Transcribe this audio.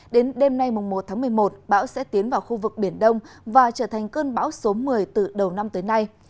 đến đêm nay một tháng một mươi một bão sẽ tiến vào khu vực biển đông và trở thành cơn bão số một mươi từ đầu năm tới nay